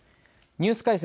ニュース解説